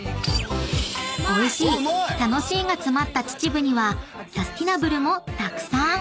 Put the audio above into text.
［おいしい楽しいが詰まった秩父にはサスティナブルもたくさん！］